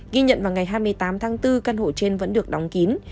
ghi nhận vào ngày hai mươi tám tháng bốn căn hộ trên vẫn được đóng kín